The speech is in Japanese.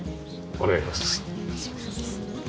お願いします。